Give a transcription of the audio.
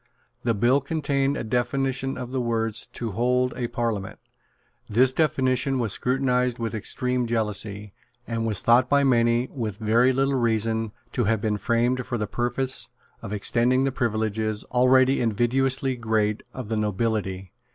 The bill contained a definition of the words, "to hold a Parliament." This definition was scrutinised with extreme jealousy, and was thought by many, with very little reason, to have been framed for the purpose of extending the privileges, already invidiously great, of the nobility.